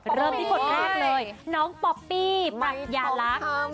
เริ่มที่คนแรกเลยน้องป๊อปปี้ปรัชญาลักษณ์